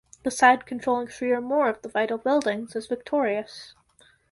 The side controlling three or more of the vital buildings is victorious.